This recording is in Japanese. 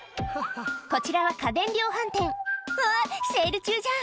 こちらは家電量販店「うわセール中じゃん」